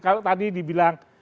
kalau tadi dibilang